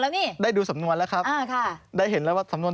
แล้วนี่ได้ดูสำนวนแล้วครับอ่าค่ะได้เห็นแล้วว่าสำนวน